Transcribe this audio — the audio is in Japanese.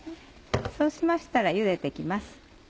そうしましたらゆでて行きます。